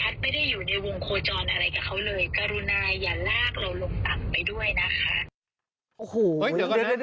กรุณายอย่าลากเราลงต่ำไปด้วยนะคะ